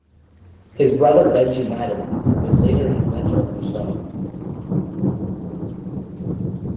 His brother, Benji Madden was later his mentor on the show.